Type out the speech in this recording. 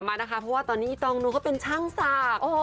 มานะคะเพราะว่าตอนนี้อีตองนุก็เป็นช่างศักดิ์